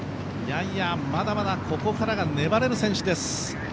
いやいや、まだまだここからが粘れる選手です。